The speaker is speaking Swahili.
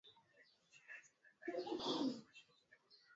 kwa upande wa madawa hakuna biashara huriya namna hiyo